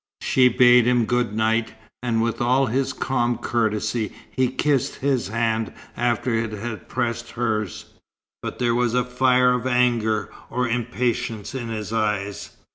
She bade him good night, and with all his old calm courtesy he kissed his hand after it had pressed hers. But there was a fire of anger or impatience in his eyes.